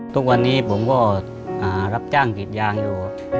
ทุกวันนี้ผมก็รับจ้างกรีดยางอยู่